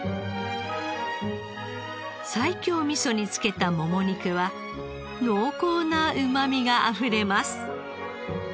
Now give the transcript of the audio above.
西京味噌につけたもも肉は濃厚なうまみがあふれます。